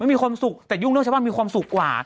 มีความสุขแต่ยุ่งเรื่องชาวบ้านมีความสุขกว่า